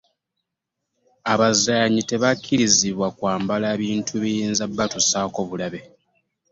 Abazannyi tebakubirizibwa kwambala bintu biyinza okubatuusaako obulabe.